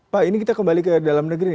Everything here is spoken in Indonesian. pak ini kita kembali ke dalam negeri